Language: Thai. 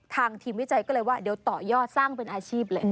ทางทีมวิจัยก็เลยว่าเดี๋ยวต่อยอดสร้างเป็นอาชีพเลย